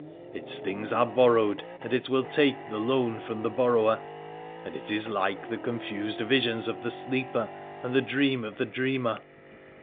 Its things are borrowed, and it will take the loan from the borrower ; and it is like the confused visions of the sleeper, and the dream of the dreamer.